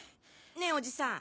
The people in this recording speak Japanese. ねぇおじさん。